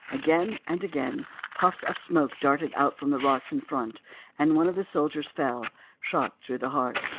Again and again puffs of smoke darted out from the rocks in front; and one of the soldiers fell, shot through the heart.